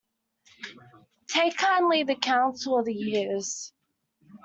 Take kindly the counsel of the years